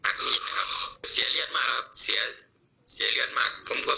เขานึกว่าภูมิตายแล้วเขาก็เลยไม่ซ้ำครับ